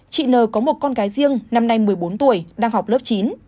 chị n có một con gái riêng năm nay một mươi bốn tuổi đang học lớp chín